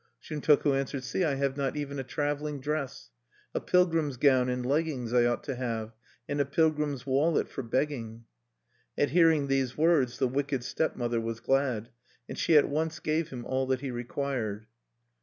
Shuntoku answered: "See, I have not even a traveling dress. A pilgrim's gown and leggings I ought to have, and a pilgrim's wallet for begging." At hearing these words, the wicked stepmother was glad; and she at once gave him all that he required.